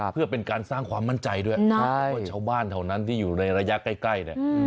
มีความมั่นใจด้วยเพราะว่าชาวบ้านเท่านั้นที่อยู่ในระยะใกล้เนี่ย